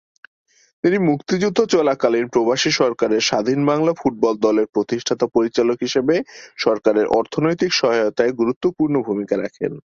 তিনি মুক্তিযুদ্ধ চলাকালীন প্রবাসী সরকারের স্বাধীন বাংলা ফুটবল দলের প্রতিষ্ঠাতা পরিচালক হিসেবে সরকারের অর্থনৈতিক সহায়তায় গুরুত্বপূর্ণ ভূমিকা রাখেন।